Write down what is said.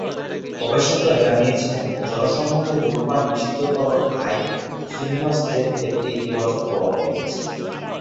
গবেষকেরা জানিয়েছেন, জনসমক্ষে ধূমপান নিষিদ্ধকরণ আইন শিশুস্বাস্থ্যের ক্ষেত্রে ইতিবাচক প্রভাব ফেলছে।